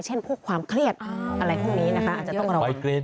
เช่นพวกความเครียดอะไรพวกนี้นะคะอาจจะต้องระวัง